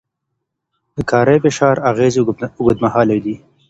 د کاري فشار اغېزې اوږدمهاله دي.